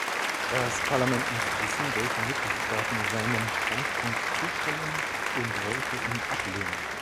Das Parlament muss wissen, welche Mitgliedstaaten seinem Standpunkt zustimmen und welche ihn ablehnen.